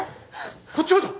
こっちもだ！